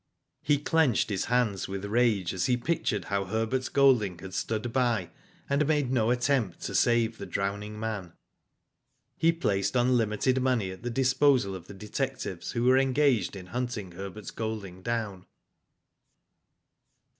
He clenched his hands with rage as he pictured how Herbert Golding had stood by and made no attempt to save the drowning man. He placed unlimited money at the disposal of the detectives who were Engaged in hunting Herbert Golding down.